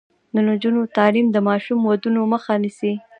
د نجونو تعلیم د ماشوم ودونو مخه نیسي.